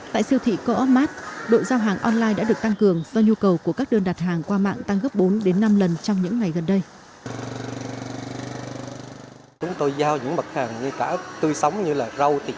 tại siêu thị co op mart đội giao hàng online đã được tăng cường do nhu cầu của các đơn đặt hàng qua mạng tăng gấp bốn năm lần trong những ngày gần đây